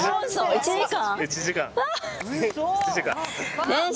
１時間？